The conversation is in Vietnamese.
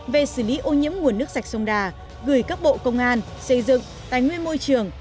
về xử lý ô nhiễm nguồn nước sạch sông đà gửi các bộ công an xây dựng tài nguyên môi trường